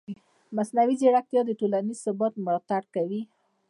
مصنوعي ځیرکتیا د ټولنیز ثبات ملاتړ کوي.